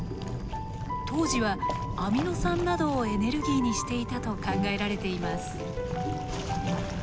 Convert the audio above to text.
当時はアミノ酸などをエネルギーにしていたと考えられています。